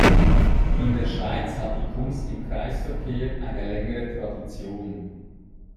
In der Schweiz hat die Kunst im Kreisverkehr eine längere Tradition.